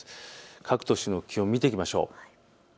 各都市の気温を見ていきましょう。